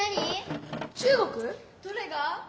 どれが？